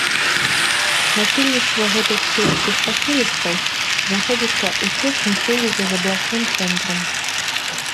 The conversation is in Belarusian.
Насельніцтва гэтых сельскіх паселішчаў знаходзіцца ў цеснай сувязі з абласным цэнтрам.